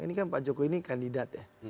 ini kan pak jokowi ini kandidat ya